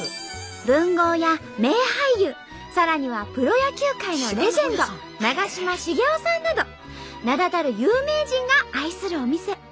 文豪や名俳優さらにはプロ野球界のレジェンド長嶋茂雄さんなど名だたる有名人が愛するお店。